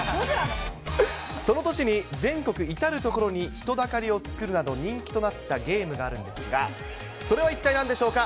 その年に全国至る所に人だかりを作るなど人気となったゲームがあるんですが、それは一体なんでしょうか。